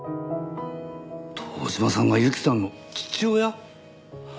堂島さんが由季さんの父親！？